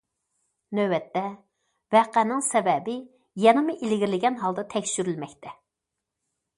نۆۋەتتە، ۋەقەنىڭ سەۋەبى يەنىمۇ ئىلگىرىلىگەن ھالدا تەكشۈرۈلمەكتە.